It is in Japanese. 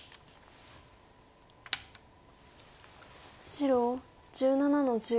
白１７の十。